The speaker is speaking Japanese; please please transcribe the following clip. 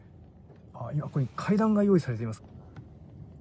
ここに階段が用意されています。